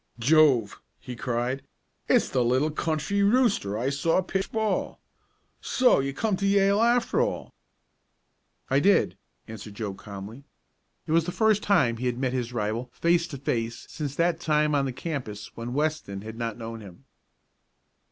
"Jove!" he cried. "It's the little country rooster I saw pitch ball. So you came to Yale after all?" "I did," answered Joe calmly. It was the first he had met his rival face to face since that time on the campus when Weston had not known him.